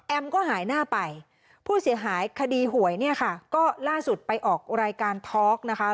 ก็หายหน้าไปผู้เสียหายคดีหวยเนี่ยค่ะก็ล่าสุดไปออกรายการทอล์กนะคะ